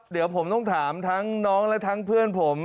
เดี๋ยวผมต้องถามทั้งน้องและทั้งเพื่อนผม